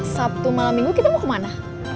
sabtu malam minggu kita mau kemana